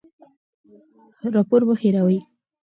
راپور مه هېروه.